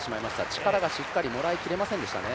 力がしっかりもらいきれませんでしたね。